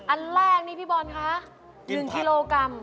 อันแรกนี่พี่บอลคะ๑กิโลกรัม